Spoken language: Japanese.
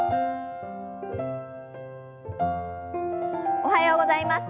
おはようございます。